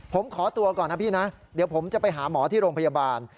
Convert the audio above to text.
ผมขอตัวก่อนนะพี่นะเดี๋ยวผมจะไปหาหมอที่โรงพยาบาล